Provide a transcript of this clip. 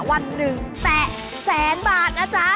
วัน๑๘๐๐๐บาทนะจ๊ะ